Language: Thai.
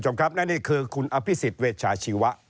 นั่นนี่คือคุณอภิษฎิเวชาชีวะ